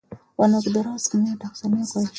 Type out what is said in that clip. Wanaokudharau siku moja watakusalimia kwa heshima.